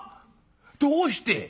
どうして？